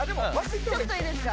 ちょっといいですか？